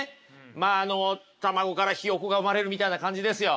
まああの卵からひよこが生まれるみたいな感じですよ。